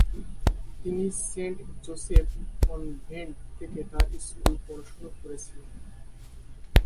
তিনি saint Joseph convent থেকে তার স্কুল পড়াশোনা করেছিলেন।